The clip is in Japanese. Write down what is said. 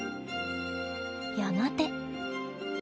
やがて。